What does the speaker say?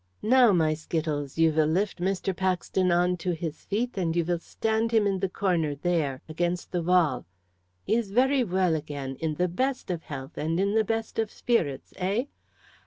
"Now, my Skittles, you will lift Mr. Paxton on to his feet, and you will stand him in the corner there, against the wall. He is very well again, in the best of health, and in the best of spirits, eh?